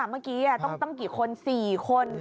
เมื่อกี้ต้องกี่คน๔คน